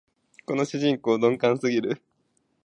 この主人公、鈍感すぎる